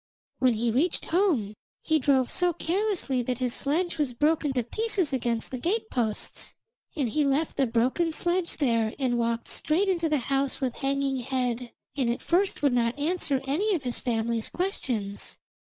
When he reached home he drove so carelessly that his sledge was broken to pieces against the gate posts, and he left the broken sledge there and walked straight into the house with hanging head, and at first would not answer any of his family's questions.